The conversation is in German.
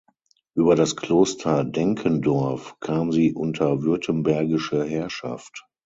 Über das Kloster Denkendorf kam sie unter württembergische Herrschaft.